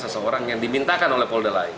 seseorang yang dimintakan oleh polda lain